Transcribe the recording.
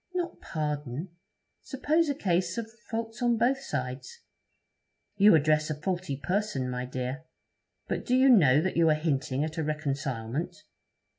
'Not pardon. Suppose a case of faults on both sides.' 'You address a faulty person, my dear. But do you know that you are hinting at a reconcilement?'